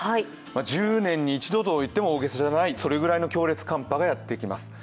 １０年に一度といっても大げさではないそれぐらいの強烈寒波がやってきます。